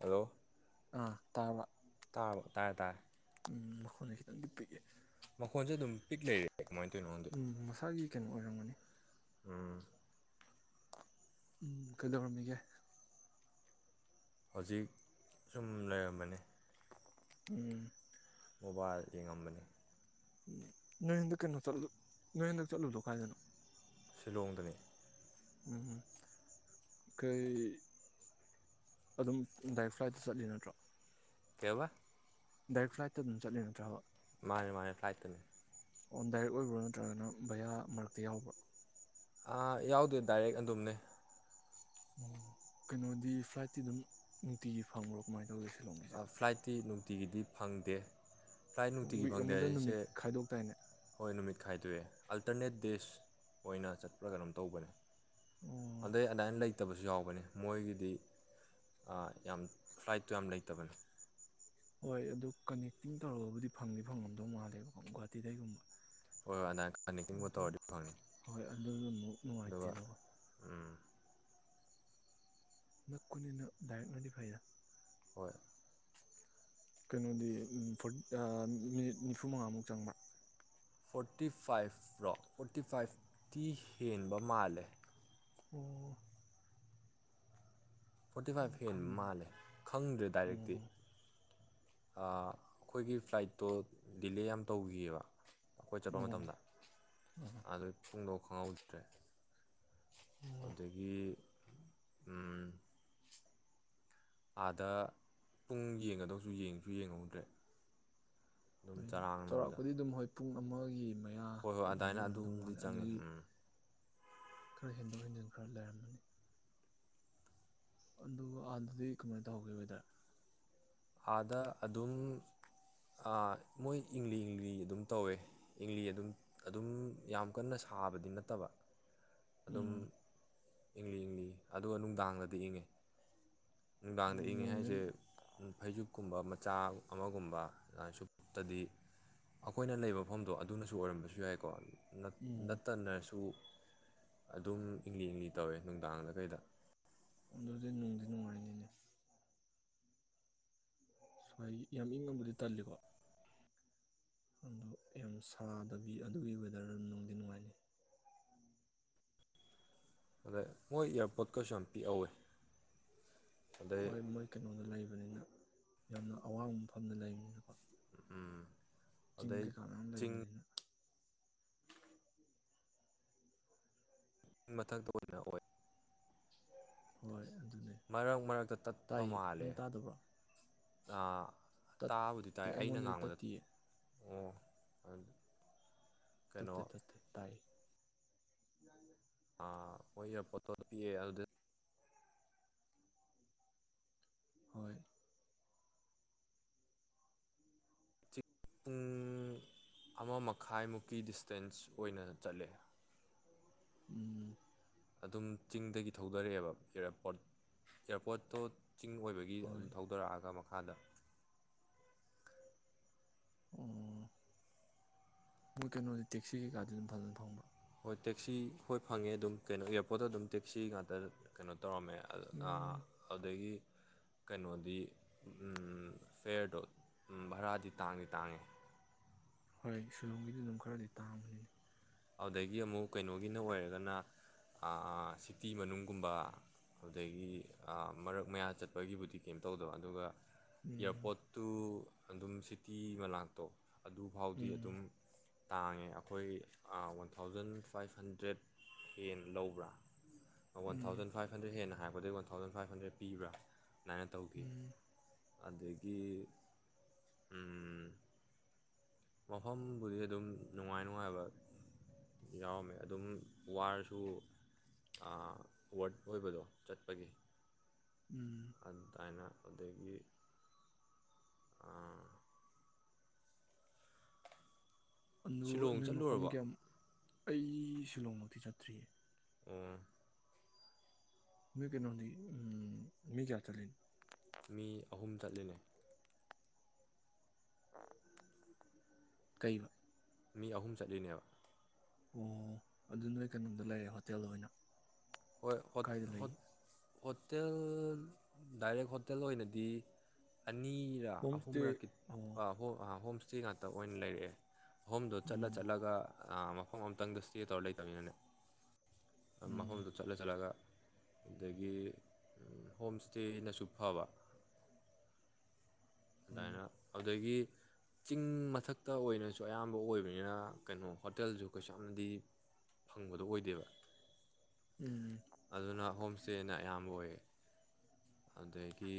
Hello ꯑꯥ ꯇꯥꯕ ꯇꯥꯔꯕ ꯇꯔꯦ ꯇꯔꯦ ꯃꯈꯣꯟꯅ ꯈꯤꯇꯪꯗꯤ ꯄꯤꯛꯏ ꯃꯈꯣꯟꯁꯨꯦ ꯑꯗꯨꯝ ꯄꯤꯛ ꯂꯩꯔꯦ ꯀꯃꯥꯏꯅ ꯇꯧꯅꯣ ꯈꯪꯗ ꯎꯝ ꯃꯁꯥꯒꯤ ꯀꯩꯅꯣ ꯑꯣꯏꯔꯝꯒꯅꯤ ꯎꯝ ꯎꯝ ꯀꯩꯗꯧꯔꯝꯃꯤꯒꯦ ꯍꯧꯖꯤꯛ ꯁꯨꯝ ꯂꯩꯔꯝꯕꯅꯤ [unintelligible] ꯃꯣꯕꯥꯏꯜ ꯌꯦꯡꯉꯝꯕꯅꯤ ꯅꯣꯏ ꯍꯗꯀ ꯀꯩꯅꯣ ꯆꯠ ꯅꯣꯏ ꯍꯜꯗꯛ ꯆꯠꯂꯨꯕꯗꯣ ꯗꯀꯥꯏꯗꯅꯣ ꯁꯤꯂꯣꯡꯗꯅꯤ ꯎꯝ ꯀꯩ ꯑꯗꯨꯝ ꯗꯥꯏꯔꯦꯛ ꯐ꯭ꯂꯥꯏꯠꯇ ꯆꯠꯂꯤ ꯅꯠꯇ꯭ꯔꯣ ꯀꯕ ꯗꯥꯏꯔꯦꯛ ꯐ꯭ꯂꯥꯏꯠꯇ ꯑꯗꯨꯝ ꯆꯠꯂꯤ ꯅꯠꯇ꯭ꯔꯕ ꯃꯥꯅꯦ ꯃꯥꯅꯦ ꯐ꯭ꯂꯥꯏꯇꯅꯦ ꯑꯣ ꯗꯥꯏꯔꯦꯛ ꯑꯣꯏꯕ꯭ꯔꯣ ꯅꯠꯇ꯭ꯔꯒꯅ ꯚꯌꯥ ꯃꯔꯛꯇ ꯌꯥꯎꯕ꯭ꯔꯥ ꯑ ꯌꯥꯎꯗꯦ ꯗꯥꯏꯔꯦꯛ ꯑꯗꯨꯝꯅꯦ ꯑꯣ ꯀꯩꯅꯣꯗꯤ ꯐ꯭ꯂꯥꯏꯠꯇꯤ ꯑꯗꯨꯝ ꯅꯨꯡꯇꯤꯒꯤ ꯐꯪꯕ꯭ꯔꯣ ꯀꯃꯥꯏꯅ ꯇꯧꯔꯤꯣꯏꯁꯤ ꯐ꯭ꯂꯥꯏꯠꯇꯤ ꯅꯨꯡꯇꯤꯒꯤꯗꯤ ꯐꯪꯗꯦ ꯐ꯭ꯂꯥꯏꯠ ꯅꯨꯡꯇꯤꯒꯤ ꯋꯤꯛ ꯑꯃꯗ ꯐꯪꯗꯦꯁꯦ ꯅꯨꯃꯤꯠ ꯈꯥꯏꯗꯣꯛꯇꯥꯏꯅꯦ ꯍꯣꯏ ꯅꯨꯃꯤꯠ ꯈꯥꯏꯗꯣꯛꯑꯦ ꯑꯜꯇꯔꯅꯦꯠ ꯗꯦꯖ ꯑꯣꯏꯅ ꯆꯠꯄ꯭ꯔꯥ ꯀꯩꯅꯣꯝ ꯇꯧꯕꯅꯦ ꯑꯣ ꯑꯗ ꯑꯗꯥꯅ ꯂꯩ ꯂꯩꯇꯕꯁꯨ ꯌꯥꯎꯕꯅꯤ ꯃꯣꯏꯒꯤꯗꯤ ꯌꯥꯝ ꯐ꯭ꯂꯥꯏꯠꯇꯨ ꯌꯥꯝ ꯂꯩꯇ ꯇꯕꯅ ꯍꯣꯏ ꯑꯗꯨ ꯀꯅꯦꯛꯇꯤꯡ ꯇꯧꯔꯒꯕꯨꯗꯤ ꯐꯪꯗꯤ ꯐꯪꯉꯝꯗꯧ ꯃꯥꯜꯂꯦꯕꯀꯣ ꯒꯨꯍꯥꯇꯤꯗꯩꯒꯨꯝꯕ ꯍꯣꯏ ꯍꯣꯏ ꯑꯗꯥ ꯀꯕ ꯇꯧꯔꯗꯤ ꯐꯪꯅꯤ ꯑꯗꯨꯒ ꯑꯃꯨꯛ ꯑꯗꯨꯒ ꯅꯨꯡꯉꯥꯏꯇꯦꯅꯀꯣ ꯎ ꯅꯛ ꯀꯨꯅꯤꯅ ꯗꯥꯏꯔꯛꯅꯗꯤ ꯐꯩꯗ [inaudible] ꯀꯩꯅꯣꯗꯤ ꯃꯤꯅꯤꯠ ꯅꯤꯐꯨ ꯃꯉꯥꯃꯨꯛ ꯆꯪꯕ꯭ꯔꯥ ꯐꯣꯔꯇꯤ ꯐꯥꯏꯚ ꯔꯣ ꯐꯣꯔꯇꯤ ꯐꯥꯏꯚꯇꯤ ꯍꯦꯟꯕ ꯃꯥꯜꯂꯦ ꯑꯣ ꯐꯣꯔꯇꯤ ꯑꯣ ꯐꯥꯏꯚ ꯍꯦꯟꯕ ꯈꯪꯗꯦ ꯃꯥꯜꯂꯦ ꯈꯪꯗ꯭ꯔꯦ ꯗꯥꯏꯔꯦꯛꯇꯤ ꯑꯣ ꯑꯩꯈꯣꯏꯒꯤ ꯐ꯭ꯂꯥꯏꯠꯇꯣ ꯗꯤꯂꯦ ꯌꯥꯝ ꯇꯧꯈꯤꯑꯕ ꯑꯩꯈꯣꯏ ꯆꯠꯄ ꯑꯣ ꯃꯇꯝꯗ ꯑꯗꯨ ꯄꯨꯡꯗꯣꯛ ꯈꯪꯍꯧꯗ꯭ꯔꯦ ꯑꯣ ꯑꯗꯨꯗꯒꯤ ꯑꯥꯗ ꯄꯨꯡ ꯌꯦꯡꯒꯗꯧꯁꯨ ꯌꯦꯡꯉꯁꯨ ꯌꯦꯡꯍꯧꯗ꯭ꯔꯦ ꯑꯗꯨꯝ ꯍꯣꯏꯅꯦ ꯆꯔꯥꯡꯅꯕꯗ ꯆꯥꯎꯔꯥꯛꯄꯗꯤ ꯑꯗꯨꯝ ꯍꯣꯏ ꯄꯨꯡ ꯑꯃꯒꯤ ꯃ ꯍꯣꯏ ꯍꯣꯏ ꯑꯗꯨꯃꯥꯏꯅ ꯑꯗꯨꯝꯗꯤ ꯆꯪꯉꯦ ꯎꯝ ꯈꯔ ꯍꯦꯟꯗꯣꯛ ꯍꯦꯟꯖꯤꯟ ꯈꯔ ꯂꯩꯔꯝꯃꯅꯤ ꯑꯗꯨ ꯑꯥꯟꯗꯨꯗꯤ ꯀꯃꯥꯏꯅ ꯇꯧꯍꯧꯒꯦ ꯋꯦꯗꯔ ꯑꯥꯗ ꯑꯗꯨꯝ ꯃꯣꯏ ꯏꯪꯂꯤ ꯏꯪꯂꯤ ꯑꯗꯨꯝ ꯇꯧꯋꯦ ꯏꯪꯂꯤ ꯑꯗꯨꯝ ꯑꯗꯨꯝ ꯌꯥꯝ ꯀꯟꯅ ꯁꯥꯕꯗꯤ ꯅꯠꯇꯕ ꯑꯗꯨꯝ ꯎꯝ ꯏꯪꯂꯤ ꯏꯪꯂꯤ ꯑꯗꯨꯒ ꯅꯨꯡꯗꯥꯡꯗꯗꯤ ꯏꯪꯉꯦ ꯅꯨꯡꯗꯥꯡꯗ ꯏꯪꯉꯦ ꯅꯨꯡꯗꯤ ꯍꯥꯏꯁꯦ ꯐꯩꯖꯛꯀꯨꯝꯕ ꯃꯆꯥ ꯑꯃꯒꯨꯝꯕ ꯑꯗꯨꯃꯥꯏ ꯁꯨꯞꯇꯗꯤ ꯑꯩꯈꯣꯏꯅ ꯂꯩꯕ ꯃꯐꯝꯗꯣ ꯑꯗꯨꯅꯁꯨ ꯑꯣꯏꯔꯝꯕꯁꯨ ꯌꯥꯏꯀꯣ ꯎꯝ ꯅꯠꯇꯅꯁꯨ ꯑꯗꯨꯝ ꯏꯪꯂꯤ ꯏꯪꯂꯤ ꯇꯧꯋꯦ ꯅꯨꯡꯗꯥꯡꯗ ꯀꯩꯗ ꯑꯗꯨꯗꯗꯤ ꯅꯅꯨꯡꯗꯤ ꯅꯨꯡꯉꯥꯏꯅꯤꯅꯦ ꯁ꯭ꯋꯥ ꯌꯥꯝ ꯏꯪꯕꯨꯗꯤ ꯇꯜꯂꯤꯀꯣ ꯑꯗꯣ ꯌꯥꯝ ꯁꯥꯗꯕꯤ ꯑꯗꯨꯒꯤ ꯋꯦꯗꯔ ꯑꯗꯨ ꯅꯨꯡꯗꯤ ꯅꯨꯡꯉꯥꯏꯅꯤ ꯑꯗ ꯃꯣꯏ ꯏꯌꯥꯔꯄꯣꯔꯠꯀꯁꯨ ꯌꯥꯝ ꯄꯤꯛꯍꯧꯋꯦ ꯑꯗꯩ ꯍꯣꯏ ꯃꯣꯏ ꯀꯩꯅꯣꯗ ꯂꯩꯕꯅꯤꯅ ꯌꯥꯝꯅ ꯑꯋꯥꯡꯕ ꯃꯐꯝꯗ ꯂꯩꯕꯅꯤꯅꯀꯣ ꯇꯤꯡ ꯑꯗꯩ ꯀ ꯀꯥꯟꯝ ꯆꯤꯡ ꯂꯩꯅꯤꯅ ꯃꯊꯛꯇ ꯑꯣꯏꯅ ꯑꯣꯏ ꯍꯣꯏ ꯑꯗꯨꯅꯦ ꯃꯔꯛ ꯃꯔꯛꯇ ꯇꯠꯄ ꯇꯥꯏꯌꯦ ꯃꯥꯜꯂꯦ ꯅꯪ ꯇꯥꯗꯕ꯭ꯔꯣ ꯇꯥꯕꯨꯗꯤ ꯇꯠꯇꯦ ꯇꯥꯏ ꯑꯩꯅ ꯑꯩꯉꯣꯟꯗꯗꯤ ꯉꯥꯡꯕꯗ ꯇꯠꯇꯤꯌꯦ ꯑꯣ ꯀꯩꯅꯣ ꯊꯞꯦ ꯇꯞꯦ ꯇꯥꯏ ꯑ ꯑ ꯍ ꯄ ꯇꯣꯄꯤꯑꯦ ꯑꯗꯨ ꯍꯣꯏ ꯄꯨꯡ ꯑꯃ ꯃꯈꯥꯏꯃꯨꯛꯀꯤ ꯗꯤꯁꯇꯦꯟꯁ ꯑꯣꯏꯅ ꯆꯠꯂꯦ ꯎꯝ ꯑꯗꯨꯝ ꯆꯤꯡꯗꯒꯤ ꯊꯧꯗꯔꯛꯑꯦꯕ ꯑꯦꯌꯥꯔꯄꯣꯔꯠ ꯑꯦꯌꯥꯔꯄꯣꯔꯠꯇꯣ ꯆꯤꯡ ꯑꯣꯏꯕꯒꯤ ꯍꯣꯏ ꯑꯗꯨꯝ ꯊꯧꯗꯔꯛꯑꯒ ꯃꯈꯥꯗ ꯎꯝ ꯃ ꯀꯩꯅꯣꯗꯤ ꯇꯦꯛꯁꯤ ꯀꯩꯀꯥꯗꯤ ꯑꯗꯨꯝ ꯐꯖꯅ ꯐꯪꯕ ꯍꯣꯏ ꯇꯦꯛꯁꯤ ꯍꯣꯏ ꯐꯪꯉꯦ ꯑꯗꯨꯝ ꯀꯩꯅꯣ ꯏꯌꯥꯔꯄꯣꯔꯠꯇ ꯑꯗꯨꯝ ꯇꯦꯛꯁꯤ ꯉꯥꯛꯇ ꯀꯩꯅꯣ ꯇꯧꯔꯝꯃꯦ ꯎꯝ ꯑꯗꯨꯗꯒꯤ ꯀꯩꯅꯣꯗꯤ ꯐꯤꯔꯗꯣ ꯚꯔꯥꯗꯤ ꯇꯥꯡꯗꯤ ꯇꯥꯡꯉꯦ ꯍꯣꯏ ꯁꯤꯂꯣꯡꯝꯒꯤꯗꯤ ꯑꯗꯨꯝ ꯈꯔꯗꯤ ꯇꯥꯡꯕꯅꯤꯅꯦ ꯑꯗꯨꯗꯒꯤ ꯑꯃꯨꯛ ꯀꯩꯅꯣꯒꯤꯅ ꯑꯣꯏꯔꯒꯅ ꯁꯤꯇꯤ ꯃꯅꯨꯡꯒꯨꯝꯕ ꯑꯗꯨꯗꯒꯤ ꯃꯔꯛ ꯃꯌꯥ ꯆꯠꯄꯒꯤꯕꯨꯗꯤ ꯀꯩꯝ ꯇꯧꯗꯕ ꯑꯗꯨꯒ ꯎꯝ ꯌꯥꯄꯠꯇꯨ ꯑꯗꯨꯝ ꯁꯤꯇꯤ ꯃꯅꯥꯛꯇꯣ ꯑꯗꯨ ꯐꯥꯎꯗꯤ ꯎꯝ ꯑꯗꯨꯝ ꯇꯥꯡꯉꯦ ꯑꯩꯈꯣꯏ ꯋꯥꯟ ꯊꯥꯎꯖꯟ ꯐꯥꯏꯚ ꯍꯟꯗ꯭ꯔꯦꯠ ꯍꯦ ꯂꯧꯕ꯭ꯔꯥ one um thousand um five hundred ꯍꯦꯟꯅ ꯍꯥꯏ ꯑꯩꯗꯩ ꯋꯥꯟ ꯊꯥꯎꯖꯟꯥꯏꯚꯟꯗ꯭ꯔꯦꯗ ꯄꯤꯕ꯭ꯔꯥ ꯅ ꯇꯧꯈꯤ ꯑꯗꯒꯤ ꯎ ꯃꯐꯝꯕꯨꯗꯤ ꯑꯗꯨꯝ ꯅꯨꯡꯉꯥꯏ ꯅꯨꯡꯉꯥꯏꯕ ꯌꯥꯎꯔꯝꯃꯦ ꯑꯗꯨꯝ ꯋꯥꯔꯁꯨ ꯋꯥꯔꯠ ꯑꯣꯏꯕꯗꯣ ꯆꯠꯄꯒꯤ ꯎꯝ ꯑꯗꯨ ꯇꯥꯏꯅ ꯑꯗꯨꯗꯒꯤ ꯑ ꯑꯗꯨ ꯁꯤꯂꯣꯡ ꯅꯣꯏ ꯃꯐꯝ ꯆꯠꯂꯨꯔꯕ ꯀꯌꯥꯝ ꯑꯩ ꯁꯤꯂꯣꯡꯃꯛꯇꯤ ꯆꯠꯇ꯭ꯔꯤꯌꯦ ꯑꯣ ꯃꯤ ꯀꯩꯅꯣ ꯎꯝ ꯃꯤ ꯀꯌꯥ ꯆ ꯂꯩꯅꯤ ꯃꯤ ꯑꯍꯨꯝ ꯆꯠꯂꯤꯅꯦ ꯀꯩꯕ ꯃꯤ ꯑꯍꯨꯝ ꯆꯠꯂꯤꯅꯦꯕ ꯑꯣ ꯑꯗꯨ ꯅꯣꯏ ꯀꯩꯅꯣꯝꯗ ꯂꯩꯔꯦ ꯍꯣꯇꯦꯜ ꯑꯣꯏꯅ ꯍꯣꯏ ꯍ ꯀꯥꯏꯗ ꯍ ꯂꯩ ꯍꯣꯇꯦꯜ ꯗꯥꯏꯔꯦꯛ ꯍꯣꯇꯦꯜ ꯑꯣꯏꯅꯗꯤ ꯑꯅꯤꯔ ꯍꯣꯝ ꯏꯁꯇꯦ ꯑꯍꯨꯝꯔꯛ ꯑꯣ ꯍꯣ ꯍꯣꯝ ꯁꯤ ꯉꯥꯛꯇ ꯑꯣꯏꯅ ꯂꯩꯔꯛꯑꯦ ꯑꯍꯣꯝꯗꯣ ꯆꯠꯂ ꯎꯝ ꯆꯠꯂꯒ ꯃꯐꯝ ꯑꯃꯇꯪꯗ ꯁ꯭ꯇꯦ ꯇꯧꯔ ꯂꯩꯇꯃꯤꯅꯅꯦ ꯎꯝ ꯃꯐꯝꯗꯨ ꯆꯠꯂ ꯆꯠꯂꯒ ꯑꯗꯒꯤ ꯍꯣꯝ ꯏꯁꯇꯦꯅꯁꯨ ꯐꯕ ꯍꯣꯏꯅꯦ ꯑꯗꯨꯃꯥꯏꯅ ꯑꯗꯨꯗꯒꯤ ꯆꯤꯡ ꯃꯊꯛꯇ ꯑꯣꯏꯅꯁꯨ ꯑꯌꯥꯝꯕ ꯑꯣꯏꯕꯅꯤꯅ ꯀꯩꯅꯣ ꯍꯣꯇꯦꯜꯁꯨ ꯀꯩꯁꯨ ꯌꯥꯝꯅꯗꯤ ꯐꯪꯕꯗꯣ ꯑꯣꯏꯗꯦꯕ ꯎꯝ ꯑꯗꯨꯅ ꯍꯣꯝ ꯏꯁꯇꯦꯅ ꯑꯌꯥꯝꯕ ꯑꯣꯏꯌꯦ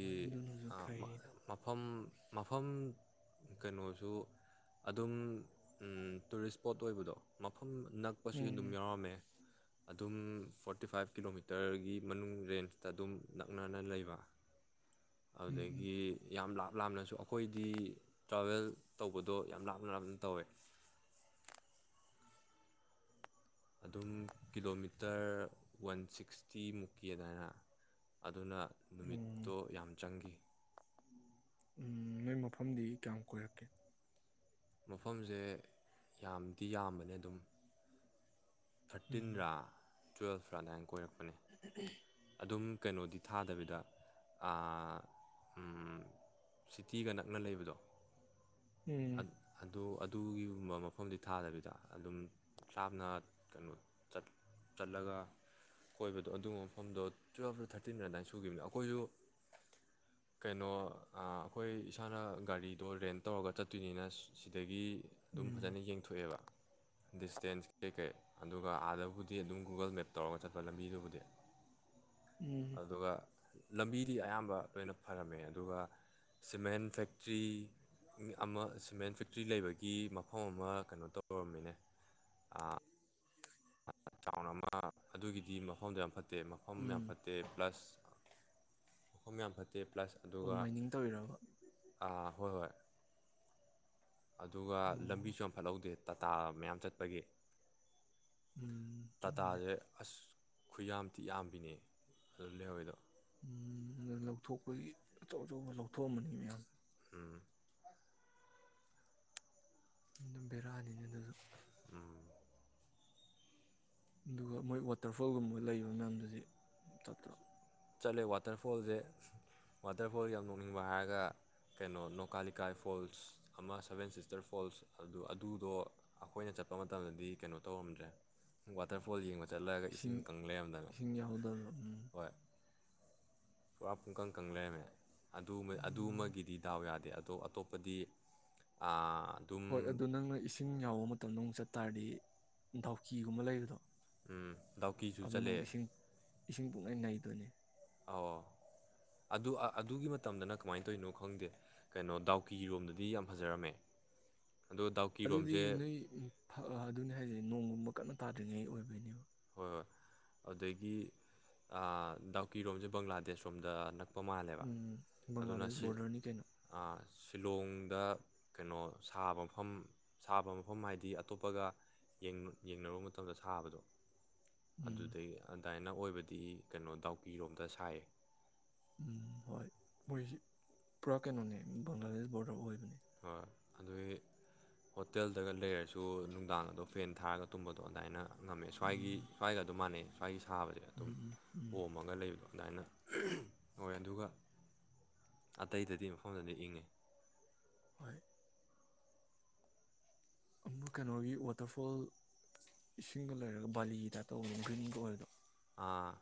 ꯍꯣꯏ ꯑꯗꯨꯅꯁꯨ ꯐꯩꯗ ꯃꯐꯝ ꯃꯐꯝ ꯀꯩꯅꯣꯁꯨ ꯑꯗꯨꯝ ꯇꯨꯔꯤꯁ ꯏꯁꯄꯣꯠ ꯑꯣꯏꯕꯗꯣ ꯃꯐꯝ ꯅꯛꯄꯁꯨ ꯑꯗꯨꯝ ꯎꯝ ꯌꯥꯎꯔꯝꯃꯦ ꯑꯗꯨꯝ ꯐꯣꯔꯇꯤ ꯐꯥꯏꯚ ꯀꯤꯂꯣꯃꯤꯇꯔꯒꯤ ꯃꯅꯨꯡ ꯔꯦꯟꯁꯇ ꯑꯗꯨꯝ ꯅꯛꯅꯅ ꯂꯩꯕ [inaudible] ꯎꯝ ꯎꯝ ꯑꯗꯨꯗꯒꯤ ꯌꯥꯝ ꯂꯥꯛ ꯂꯞ ꯂꯥꯞꯅꯁꯨ ꯑꯩꯈꯣꯏꯗꯤ ꯇ꯭ꯔꯥꯚꯦꯜ ꯇꯧꯕꯗꯣ ꯌꯥꯝ ꯂꯥꯞꯅ ꯂꯥꯞꯅ ꯇꯧꯋꯦ ꯑꯗꯨꯝ ꯀꯤꯂꯣꯃꯤꯇꯔ ꯋꯥꯟ ꯁꯤꯛꯁꯇꯤ ꯃꯨꯛꯀꯤꯅꯅ ꯑꯗꯨꯅ ꯎꯝ ꯅꯨꯃꯤꯠꯇꯣ ꯌꯥꯝ ꯆꯪꯈꯤ ꯀꯝꯈꯔꯀꯦ ꯃꯐꯝꯁꯦ ꯌꯥꯝꯗꯤ ꯌꯥꯝꯕꯅꯦ ꯑꯗꯨꯝ ꯊꯥꯔꯇꯤꯟ ꯎꯝ ꯔꯥ ꯇꯨꯌꯦꯜꯐ ꯐꯥꯗꯥꯏ ꯀꯣꯏꯔꯛꯄꯅꯤ ꯑꯗꯨꯝ ꯀꯩꯅꯣꯗꯤ ꯊꯥꯗꯕꯤꯗ ꯁꯤꯇꯤꯒ ꯅꯛꯅ ꯂꯩꯕꯗꯣ ꯎꯝ ꯑꯗꯨ ꯑꯗꯨꯒꯤꯒꯨꯝꯕ ꯃꯐꯝꯗꯤ ꯊꯥꯗꯕꯤꯗ ꯑꯗꯨꯝ ꯆꯅ ꯀꯩꯅꯣ ꯆꯠꯂꯒ ꯀꯣꯏꯕꯗꯣ ꯑꯗꯨ ꯁꯣꯐꯝꯗꯣ ꯇꯨꯌꯦꯜꯞ ꯇꯨ ꯊꯥꯔꯇꯤꯟ ꯑꯗꯨꯃꯏ ꯁꯨꯈꯤꯕꯅꯣ ꯑꯩꯈꯣꯏꯁꯨ ꯀꯩꯅꯣ ꯑꯩꯈꯣꯏ ꯏꯁꯥꯅ ꯒꯥꯔꯤꯗꯣ ꯔꯦꯟ ꯇꯧꯔꯒ ꯆꯠꯇꯣꯏꯅꯤꯅ ꯁꯤꯗꯒꯤ ꯑꯗꯨꯝ ꯎꯝ ꯐꯖꯅ ꯌꯦꯡꯊꯣꯛꯑꯦꯕ ꯗꯤꯁꯇꯦꯟꯁ ꯀꯩꯀꯩ ꯑꯗꯨꯒ ꯑꯥꯗꯕꯨꯗꯤ ꯑꯗꯨꯝ ꯒꯨꯒꯜ ꯃꯦꯞ ꯇꯧꯔꯒ ꯆꯠꯄ ꯂꯝꯕꯤꯗꯨꯕꯨꯗꯤ ꯎꯝ ꯑꯗꯨꯒ ꯂꯝꯕꯤꯗꯤ ꯑꯌꯥꯝꯕ ꯂꯣꯏꯅ ꯐꯔꯝꯃꯦ ꯑꯗꯨꯒ ꯁꯤꯃꯦꯟ ꯐꯦꯛꯇ꯭ꯔꯤ ꯑꯃ ꯁꯤꯃꯦꯟ ꯐꯦꯛꯇ꯭ꯔꯤ ꯂꯩꯕꯒꯤ ꯃꯐꯝ ꯑꯃ ꯀꯩꯅꯣ ꯇꯧꯔꯝꯃꯤꯅꯦ ꯆꯥꯎꯟ ꯑꯃ ꯑꯗꯨꯒꯤꯗꯤ ꯃꯐꯝꯗꯣ ꯌꯥꯝ ꯐꯠꯇ ꯐꯠꯇꯦ ꯃꯐꯝ ꯎꯝ ꯌꯥꯝ ꯐꯠꯇꯦ ꯄ꯭ꯂꯁ [inaudible] ꯄ꯭ꯂꯥꯁ ꯑꯣ ꯑꯗꯨꯒꯥ ꯃꯥꯏꯅꯤꯡ ꯇꯧꯔꯤꯔꯕ ꯑꯥ ꯍꯣꯏ ꯍꯣꯏ꯫ ꯑꯗꯨꯒꯥ ꯑꯣ ꯂꯝꯕꯤꯁꯨ ꯌꯥꯝ ꯐꯠꯂꯋꯦ꯫ ꯇꯥꯇꯥ ꯃꯌꯥꯝ ꯆ꯭ꯇꯄꯥꯒꯤ꯫ ꯎꯝ ꯆꯨꯝꯃꯤꯅꯦ ꯇꯇꯥꯗꯤꯦ ꯑꯁ ꯈꯨꯌꯥꯝꯇꯤ ꯌꯥꯝꯕꯤꯅꯦ ꯑꯗꯨ ꯂꯩꯍꯧꯋꯦꯗꯣ ꯂꯧꯊꯣꯛꯄꯒꯤ ꯑꯆꯧ ꯑꯆꯧꯕ ꯂꯧꯊꯣꯛꯑꯝꯕꯅꯤ ꯃꯌꯥꯝ ꯑꯗꯨꯝ ꯕꯕꯤꯔꯛꯑꯅꯤꯅꯦ ꯑꯗꯨꯁꯨ ꯑꯗꯨꯒ ꯃꯣꯏ ꯋꯥꯇꯔꯐꯣꯜꯒꯨꯝꯕ ꯂꯩꯕ ꯃꯌꯥꯝꯗꯨꯗꯤ ꯆꯠꯇ꯭ꯔꯣ ꯆꯠꯂꯦ ꯋꯥꯇꯔꯐꯣꯜꯁꯦ ꯋꯥꯇꯔꯐꯣꯜ ꯌꯥꯝ ꯅꯣꯛꯅꯤꯡꯕ ꯍꯥꯏꯔꯒ ꯀꯩꯅꯣ ꯅꯣꯀꯥꯂꯤꯀꯥꯏ ꯐꯣꯜꯁ ꯑꯃ ꯁꯕꯦꯟ ꯁꯤꯁꯇꯔ ꯐꯣꯜꯁ ꯑꯗꯨ ꯑꯗꯨꯗꯣ ꯑꯩꯈꯣꯏꯅ ꯆꯠꯄ ꯃꯇꯝꯗꯗꯤ ꯀꯩꯅꯣ ꯇꯧꯔꯝꯗ꯭ꯔꯦ ꯋꯥꯇꯔꯐꯣꯜ ꯌꯦꯡꯕ ꯆ ꯆꯠꯂꯒ ꯏꯁꯤꯡ ꯀꯪꯂꯦ ꯑꯃꯗꯅ ꯏꯁꯤꯡ ꯌꯥꯎꯗꯕ ꯎꯝ ꯍꯣꯏ ꯑꯞ ꯏꯀ ꯀꯪ ꯂꯩꯦꯃꯦ ꯑꯗꯨ ꯎꯝ ꯑꯗꯨꯃꯗꯤ ꯗꯥꯎ ꯌꯥꯗꯦ ꯑꯗꯣ ꯑꯇꯣꯞꯄꯗꯤ ꯑꯗꯨꯝ ꯍꯣꯏ ꯑꯗꯨ ꯅꯪꯅ ꯏꯁꯤꯡ ꯌꯥꯎꯕ ꯃꯇꯝꯗꯣ ꯑꯃꯨꯛ ꯆꯠꯇꯥꯥꯔꯗꯤ ꯗꯥꯎꯀꯤꯒꯨꯝꯕ ꯂꯩꯕꯗꯣ ꯗꯥꯎꯀꯤꯁꯨ ꯑꯗꯨ ꯅ ꯆꯠꯂꯦ ꯏꯁꯤꯡ ꯏꯁꯤꯡ ꯄꯨꯡꯂꯥꯏ ꯅꯥꯏ ꯑꯗꯨꯅꯦ ꯑꯧ ꯑꯗꯨ ꯑꯗꯨꯒꯤ ꯃꯇꯝꯗꯅ ꯀꯃꯥꯏꯅ ꯇꯧꯔꯤꯅꯣ ꯈꯪꯗꯦ ꯀꯩꯅꯣ ꯗꯥꯎꯀꯤꯔꯣꯝꯗꯗꯤ ꯌꯥꯝ ꯐꯖꯔꯝꯃꯦ ꯑꯗꯣ ꯑꯗꯨꯗꯤ ꯗꯥꯎꯀꯤꯔꯣꯝꯁꯦ ꯅꯣꯏ ꯑꯗꯨꯅꯤ ꯍꯥꯏꯁꯦ ꯅꯣꯡꯒꯨꯝꯕ ꯀꯟꯅ ꯇꯥꯗ꯭ꯔꯤꯉꯩ ꯑꯣꯏꯕ [inaudible] ꯍꯣꯏ ꯍꯣꯏ ꯑꯗꯨꯗꯒꯤ ꯗꯥꯎꯀꯤꯔꯣꯝꯁꯦ ꯕꯪꯒ꯭ꯂꯥꯗꯦꯁ ꯔꯣꯝꯗ ꯃꯥꯜꯂꯦꯕ ꯎꯝ ꯑꯗꯨꯅ ꯁꯤ ꯪꯒ꯭ꯂꯥꯗꯦꯁ ꯣꯔꯗꯔꯅꯤ ꯀꯩꯅꯩꯅꯣ ꯁꯤꯂꯣꯡꯗ ꯀꯩꯅꯣ ꯁꯥꯕ ꯃꯐꯝ ꯁꯥꯕ ꯃꯐꯝ ꯍꯥꯏꯗꯤ ꯑꯇꯣꯞꯄꯒ ꯌꯦꯡꯅꯔꯨꯕ ꯃꯇꯝꯗ ꯁꯥꯕꯗꯣ ꯎꯝ ꯑꯗꯨꯗꯩ ꯑꯗꯨꯃꯥꯏꯅ ꯑꯣꯏꯕꯗꯤ ꯀꯩꯅꯣ ꯗꯥꯎꯀꯤꯔꯣꯝꯇ ꯁꯥꯏꯌꯦ ꯎꯝ ꯍꯣꯏ ꯃꯣꯏꯁꯤ ꯄꯨꯔꯥ ꯀꯩꯅꯣꯅꯦ ꯕꯪꯒ꯭ꯂꯥꯗꯦꯁ ꯕꯣꯔꯗꯔ ꯑꯣꯏꯕꯅꯦ ꯍꯣꯏ ꯑꯗꯨꯒꯤ ꯍꯣꯇꯦꯜꯗꯒ ꯂꯩꯔꯁꯨ ꯅꯨꯡꯗꯥꯡ ꯑꯗꯣ ꯐꯦꯟ ꯊꯥꯔꯒ ꯇꯨꯝꯕꯗꯣ ꯑꯗꯨꯃꯥꯏꯅ ꯉꯝꯃꯦ ꯁ꯭ꯋꯥꯏꯒꯤ ꯎꯝ ꯁ꯭ꯋꯥꯏꯒ ꯑꯗꯨ ꯃꯥꯟꯅꯩ ꯁ꯭ꯋꯥꯏꯒꯤ ꯊꯥꯕꯁꯦ ꯎꯝ ꯑꯗꯨꯝ ꯎꯝ ꯎꯝ ꯑꯣꯝꯃꯒ ꯂꯩꯕꯗꯣ ꯑꯗꯨꯃꯥꯏꯅ ꯑꯣꯏ ꯑꯗꯨꯒ ꯑꯇꯩꯗꯗꯤ ꯃꯐꯝꯗꯗꯤ ꯏꯪꯉꯦ ꯍꯣꯏ ꯑꯃ ꯀꯩꯅꯣꯒꯤ ꯋꯥꯇꯔꯐꯣꯜ ꯏꯁꯤꯡꯗ ꯂꯩꯔꯒ ꯕꯥꯂꯤꯒꯤꯗ ꯇꯧꯕꯅꯦ ꯒ꯭ꯔꯤꯟꯒꯤ ꯑꯣꯏꯜꯗꯣ ꯑꯃ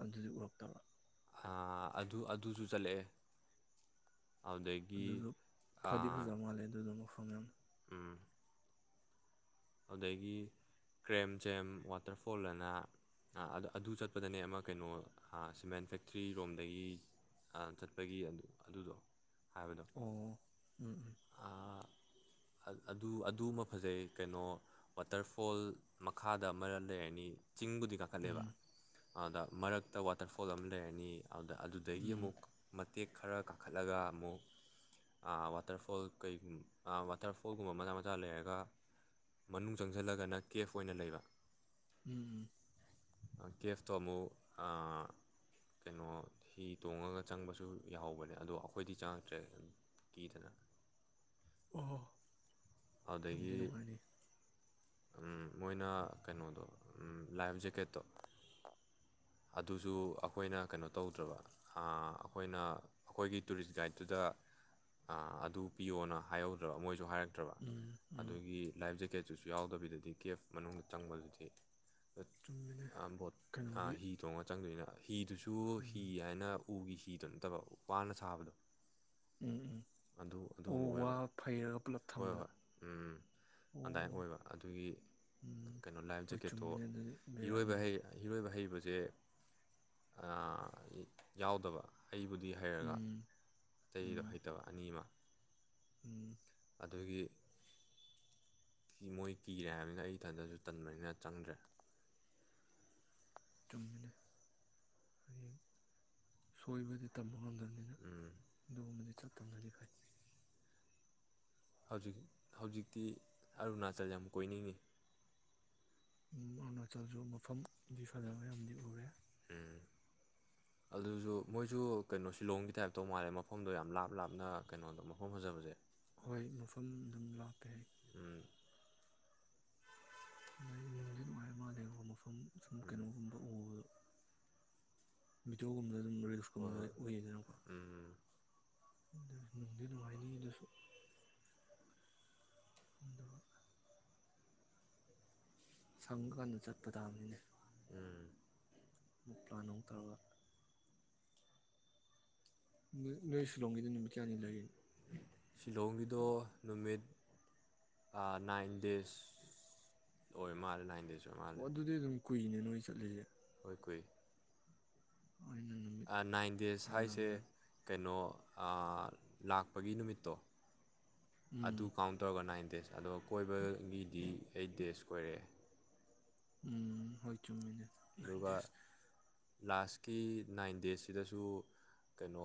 ꯑꯗꯨꯗꯤ ꯎꯔꯛꯇꯔ ꯑꯗꯨ ꯑꯗꯨꯁꯨ ꯆꯠꯂꯛꯑꯦ ꯑꯗꯨꯗꯒꯤ ꯑꯗꯨꯁꯨ ꯐꯗꯤ ꯑꯥ ꯐꯖꯕ ꯃꯥꯜꯂꯦ ꯑꯗꯨꯗꯨ ꯑꯗꯨꯗꯒꯤ ꯀ꯭ꯔꯦꯝꯖꯦꯝ ꯋꯥꯇꯔꯐꯣꯜ ꯑꯅ ꯑꯗꯨ ꯆꯠꯄꯗꯅꯦ ꯑꯃ ꯀꯩꯅꯣ ꯁꯤꯃꯦꯟ ꯐꯦꯛꯇ꯭ꯔꯤꯔꯣꯝꯗꯒꯤ ꯆꯠꯄꯒꯤ ꯑꯗꯨꯗꯣ ꯑꯣ ꯎꯝ ꯎꯝ ꯑ ꯑꯗꯨ ꯑꯗꯨꯃ ꯐꯖꯩ ꯀꯩꯅꯣ ꯋꯥꯇꯔꯐꯣꯜ ꯃꯈꯥꯗ ꯑꯃ ꯂꯩꯔꯅꯤ ꯆꯤꯡꯕꯨꯗꯤ ꯀꯥꯈꯠꯂꯦꯕ ꯎꯝ ꯑꯗ ꯃꯔꯛꯇ ꯋꯥꯇꯔꯐꯣꯜ ꯑꯃ ꯂꯩꯔꯅꯤ ꯑꯧꯗ ꯑꯗꯨꯗꯒꯤ ꯎꯝ ꯑꯃꯨꯛ ꯃꯠ ꯇꯦꯛ ꯈꯔ ꯀꯥꯈꯠꯂꯒ ꯑꯃꯨꯛ ꯑ ꯋꯥ ꯇꯔꯐꯣꯜ ꯀꯩꯒꯨꯝ ꯑ ꯋꯥꯇꯔꯐꯣꯜꯒꯨꯝꯕ ꯃꯆꯥ ꯃꯆꯥ ꯂꯩꯔꯒ ꯃꯅꯨꯡ ꯆꯪꯁꯜꯂꯒꯅ ꯀꯦꯐ ꯑꯣꯏꯅ ꯂꯩꯕ ꯎꯝ ꯀꯦꯐꯇꯣ ꯑꯃꯨꯛ ꯑꯥ ꯀꯩꯅꯣ ꯍꯤ ꯇꯣꯡꯉꯒ ꯆꯪꯕꯁꯨ ꯌꯥꯎꯍꯧꯕꯅꯦ ꯑꯗꯣ ꯑꯈꯣꯏꯗꯤ ꯆꯪꯉꯛꯇ꯭ꯔꯦ ꯀꯤꯗꯅ ꯑꯣꯍꯣ ꯅꯨꯡꯗꯤ ꯅꯨꯡꯉꯥꯢꯅꯤ ꯎꯝ ꯃꯣꯏꯅ ꯀꯩꯅꯣꯗꯣ ꯂꯥꯏꯐ ꯖꯦꯀꯦꯠꯇꯣ ꯑꯗꯨꯁꯨ ꯑꯈꯣꯏꯅ ꯀꯩꯅꯣ ꯇꯧꯗ꯭ꯔꯕ ꯑꯥ ꯑꯈꯣꯏꯅ ꯑꯈꯣꯏꯒꯤ ꯇꯨꯔꯤꯁ ꯒꯥꯏꯠꯇꯨꯗ ꯑꯥ ꯑꯗꯨ ꯄꯤꯌꯣꯅ ꯍꯥꯏꯍꯧꯗ꯭ꯔꯕ ꯃꯣꯏꯁꯨ ꯍꯥꯏꯔꯛꯇ꯭ꯔꯕ ꯎꯝ ꯎꯝ ꯑꯗꯨꯒꯤ ꯂꯥꯏꯐ ꯖꯦꯀꯦꯠꯇꯨꯁꯨ ꯌꯥꯎꯗꯕꯤꯗꯗꯤ ꯀꯦꯐ ꯃꯅꯨꯡꯗ ꯆꯪꯕꯗꯨꯗꯤ ꯆꯨꯝꯃꯤꯅꯦ ꯑꯝ ꯕꯣꯠ ꯑꯥ ꯀꯩꯅꯣꯒꯤ ꯍꯤ ꯇꯣꯡꯉꯒ ꯆꯪꯗꯣꯏꯅꯤꯅ ꯍꯤꯗꯨꯁꯨ ꯎꯝ ꯍꯤ ꯍꯥꯏꯅ ꯎꯒꯤ ꯍꯤ ꯏꯗꯨꯨ ꯅꯠꯇꯕ ꯋꯥꯅ ꯁꯥꯕꯗꯣ ꯎꯝ ꯎꯝ ꯑꯗꯨ ꯑꯣ ꯑꯗꯨꯒꯨꯝꯕ ꯋꯥ ꯑꯣꯏꯕ ꯐꯩꯔꯒ ꯄꯨꯜꯂꯞ ꯍꯣꯏ ꯊꯝꯕꯗꯣ ꯍꯣꯏ ꯎꯝ ꯑꯗꯥꯏꯅ ꯑꯣ ꯑꯣꯏꯕ ꯑꯗꯨꯒꯤ ꯎꯝ ꯀꯩꯅꯣ ꯂꯥꯏꯐ ꯍꯣꯏ ꯖꯦꯀꯦꯠꯇꯣ ꯆꯨꯝꯃꯤꯅꯦ ꯑꯗꯨꯗꯤ ꯏꯔꯣꯏꯕ ꯕꯦꯔꯥꯅꯤꯅꯦ ꯍꯩ ꯏꯔꯣꯏꯕ ꯍꯩꯕꯖꯦ ꯖꯦ ꯑꯥ ꯌꯥꯎꯗꯕ ꯑꯩꯕꯨꯗꯤ ꯍꯩꯔꯒ ꯎꯝ ꯑꯇꯩꯗꯣ ꯎꯝ ꯍꯩꯇꯕ ꯑꯅꯤꯃꯛ ꯎꯝ ꯑꯗꯨꯒꯤ ꯀꯤ ꯃꯣꯏ ꯀꯤꯔꯦ ꯍꯥꯏꯕꯅꯤꯅ ꯑꯩ ꯏꯊꯟꯇꯁꯨ ꯇꯟꯕꯅꯤꯅ ꯆꯪꯗ꯭ꯔꯦ ꯆꯨꯝꯃꯤꯅꯦ ꯍꯌꯦꯡ ꯁꯣꯏꯕꯗꯤ ꯇꯝꯕ ꯉꯝꯗꯕꯅꯤꯅ ꯑꯗꯨꯒꯨꯝꯕꯗꯤ ꯆꯠꯇꯝꯅꯗꯤ ꯐꯩ ꯍꯧꯖꯤꯛ ꯍꯧꯖꯤꯛꯇꯤ ꯑꯔꯨꯅꯥꯆꯜ ꯌꯥꯝ ꯀꯣꯏꯅꯤꯡꯉꯤ ꯎꯝ ꯑꯔꯨꯅꯥꯆꯜꯁꯖꯨ ꯃꯐꯝ ꯗꯤ ꯐꯖꯕ ꯌꯥꯝꯗꯤ ꯎꯔꯦ ꯑꯗꯨꯖꯨ ꯃꯣꯏꯖꯨ ꯀꯩꯅꯣ ꯁꯤꯂꯣꯡꯒꯤ ꯇꯥꯏꯞꯇꯧ ꯃꯥꯜꯂꯦ ꯃꯐꯝꯗꯣ ꯌꯥꯝ ꯂꯥꯞ ꯂꯥꯞꯅ ꯀꯩꯅꯣꯗꯣ ꯃꯐꯝ ꯐꯖꯕꯖꯦ ꯍꯣꯏ ꯃꯐꯝ ꯑꯗꯨꯝ ꯂꯥꯞꯄꯦ ꯍꯥꯏ ꯑꯗꯒꯤ ꯅꯨꯡꯗꯤ ꯅꯨꯡꯉꯥꯏ ꯃꯥꯜꯂꯦꯀꯣ ꯃꯐꯝ ꯁꯨꯝ ꯀꯩꯅꯣꯒꯨꯝꯕ ꯎꯕꯗꯣ ꯚꯤꯗꯤꯌꯣꯒꯨꯝ ꯑꯗꯨꯝ ꯍꯣꯏ ꯍꯣꯏ ꯔꯤꯜꯁꯀꯨꯝꯕꯗꯗꯤ ꯎꯏꯌꯦꯗꯅꯀꯣ ꯑꯗꯨꯕꯨ ꯅꯨꯡꯗꯤ ꯅꯨꯡꯉꯥꯏꯅꯤ ꯑꯗꯨꯁꯨ ꯑꯗꯨꯒ ꯁꯪ ꯀꯥꯟꯗ ꯆꯠꯄ ꯇꯥꯕꯅꯤꯅꯦ ꯎꯝ ꯃꯨꯛ ꯄ꯭ꯂꯥꯟꯅꯣꯡ ꯇꯧꯔꯒ ꯅ ꯅꯣꯏ ꯁꯤꯂꯣꯡꯒꯤꯗꯣ ꯅꯨꯃꯤꯠ ꯀꯌꯥꯅꯤ ꯂꯩꯔꯤꯅꯣ ꯁꯤꯂꯣꯡꯒꯤꯗꯣ ꯅꯨꯃꯤꯠ ꯑ ꯅꯥꯏꯟ ꯗꯦꯁ ꯑꯣꯏꯔ ꯃꯥꯂꯦ ꯅꯥꯏꯟ ꯗꯦꯁ ꯑꯣ ꯑꯗꯨꯗꯤ ꯑꯗꯨꯝ ꯀꯨꯏꯅꯦ ꯅꯣꯏ ꯆꯠꯂꯤꯖꯦ ꯍꯣꯏ ꯀꯨꯏ ꯑꯩꯅ ꯅꯨꯃꯤꯠ ꯅꯥꯏꯟ ꯗꯦꯖ ꯍꯥꯏꯁꯦ ꯌꯥꯝꯅ ꯀꯩꯅꯣ ꯂꯥꯛꯄꯒꯤ ꯅꯨꯃꯤꯠꯇꯣ ꯎꯝ ꯑꯗꯨ ꯀꯥꯎꯟꯇꯔꯒ ꯅꯥꯏꯅ ꯗꯦꯖ ꯑꯗꯣ ꯀꯣꯏꯕꯒꯤꯗꯤ ꯑꯩꯠ ꯗꯦꯖ ꯀꯣꯏꯔꯛꯑꯦ ꯎꯝ ꯍꯣꯏ ꯆꯨꯝꯃꯤꯅꯦ ꯅꯥꯏꯟ ꯑꯗꯨꯒ ꯗꯦꯖ ꯂꯥꯁꯀꯤ ꯅꯥꯏꯟ ꯗꯦꯖꯁꯤꯗꯁꯨ ꯀꯩꯅꯣ